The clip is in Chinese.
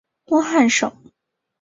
东汉省。